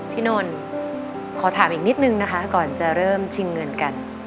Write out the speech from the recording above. นนท์ขอถามอีกนิดนึงนะคะก่อนจะเริ่มชิงเงินกัน